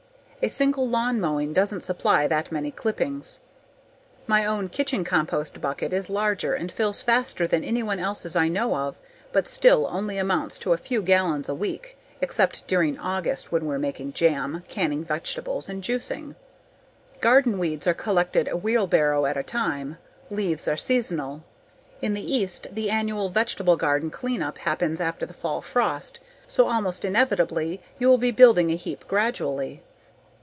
A single lawn mowing doesn't supply that many clippings; my own kitchen compost bucket is larger and fills faster than anyone else's I know of but still only amounts to a few gallons a week except during August when we're making jam, canning vegetables, and juicing. Garden weeds are collected a wheelbarrow at a time. Leaves are seasonal. In the East the annual vegetable garden clean up happens after the fall frost. So almost inevitably, you will be building a heap gradually.